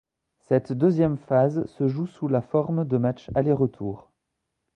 Cette deuxième phase se joue sous la forme de matches aller-retour.